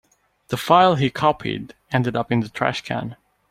The file he copied ended up in the trash can.